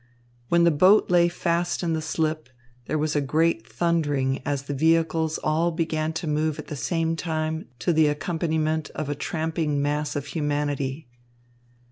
When the boat lay fast in the slip, there was a great thundering as the vehicles all began to move at the same time to the accompaniment of a tramping mass of humanity.